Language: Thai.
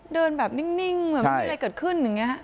เดินแบบนิ่งไม่มีอะไรเกิดขึ้น